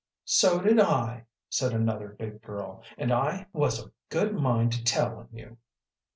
"So did I," said another big girl, "and I was a good mind to tell on you."